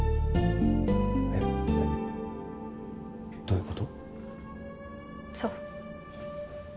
えっどういうこと？